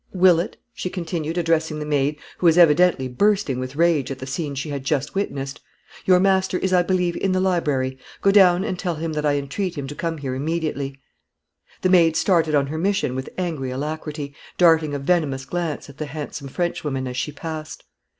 Willett," she continued, addressing the maid, who was evidently bursting with rage at the scene she had just witnessed, "your master is, I believe, in the library; go down, and tell him that I entreat him to come here immediately." The maid started on her mission with angry alacrity, darting a venomous glance at the handsome Frenchwoman as she passed.